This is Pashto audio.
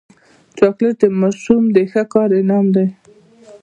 چاکلېټ د ماشوم د ښو کار انعام دی.